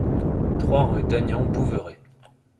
trois rue Dagnan Bouveret